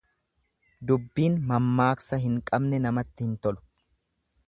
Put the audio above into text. Dubbiin mammaaksa hin qabne namatti hin tolu.